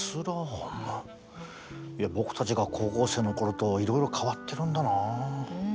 僕たちが高校生の頃といろいろ変わってるんだな。